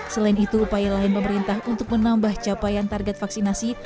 selain itu upaya lain pemerintah untuk menambah capaian target vaksinasi